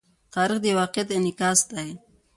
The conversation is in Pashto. تاریخ د واقعیت انعکاس دی.